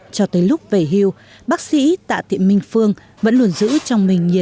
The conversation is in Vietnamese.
cho tới lúc về hưu bác sĩ tạ tiệm minh phương vẫn luôn giữ trong mình nhiệt